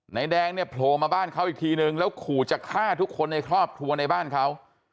นายแดงเนี่ยโผล่มาบ้านเขาอีกทีนึงแล้วขู่จะฆ่าทุกคนในครอบครัวในบ้านเขา